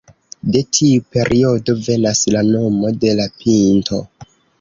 De tiu periodo venas la nomo de la pinto.